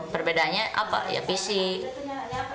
perbedaannya apa ya fisik